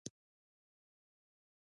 د افغانستان ګلیمونه ښکلي دي